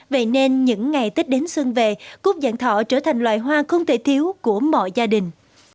vậy nên những ngày tết đến xuân về cúc dẫn thọ trở thành loài hoa không thể thiếu của mọi gia đình